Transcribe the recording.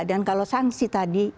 dan kalau sanksi tadi